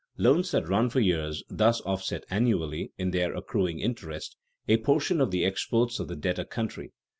Loans that run for years thus offset annually (in their accruing interest) a portion of the exports of the debtor country.